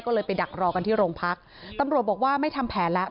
ก็เลยไปดักรอกันที่โรงพักตำรวจบอกว่าไม่ทำแผนแล้ว